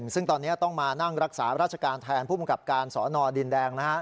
ซึ่งตอนนี้ต้องมานั่งรักษาราชการแทนผู้มกับการสอนอดินแดงนะครับ